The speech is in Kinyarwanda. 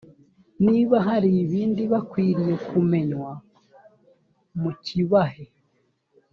niba hari ibindi bakwiriye kumenywa mukibahe.